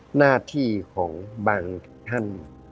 หน้าที่ของบางท่าน